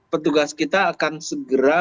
petugas kita akan segera